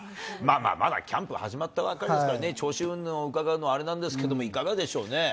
まだキャンプ始まったばっかりですからね、調子うんぬんを伺うのはあれなんですけれども、いかがでしょうね。